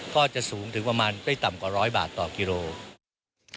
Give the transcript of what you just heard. ก็จะสูงถึงประมาณไม่ต่ำกว่าร้อยบาทต่อกิโลกรัม